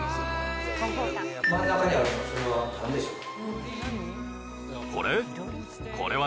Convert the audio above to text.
真ん中にあるそれは何でしょうか。